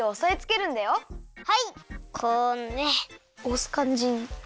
おすかんじに。